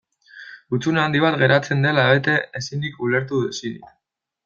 Hutsune handi bat geratzen dela bete ezinik, ulertu ezinik.